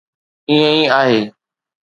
ائين ئي آهي.